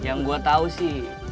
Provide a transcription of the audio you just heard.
yang gue tau sih